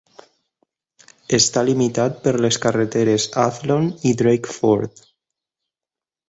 Està limitat per les carreteres Athllon y Drakeford.